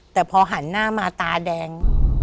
แต่พอหันหน้ามาตาแดง